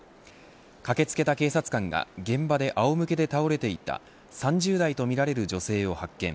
駆けつけた警察官が現場であおむけで倒れていた３０代とみられる女性を発見。